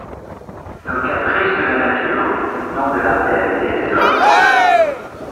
D’un caprice de la nature, non de l’impéritie des hommes.